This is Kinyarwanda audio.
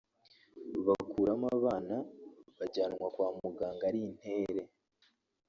bukuramo abana bajyanwa kwa muganga ari intere